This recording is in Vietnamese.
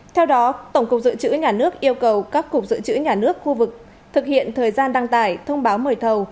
theo đó tổng cục dự trữ nhà nước yêu cầu các cục dự trữ nhà nước khu vực thực hiện thời gian đăng tải thông báo mời thầu